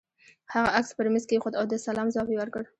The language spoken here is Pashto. هغه عکس پر مېز کېښود او د سلام ځواب يې ورکړ.